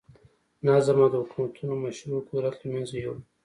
نظم او د حکومتونو مشروع قدرت له منځه یووړل.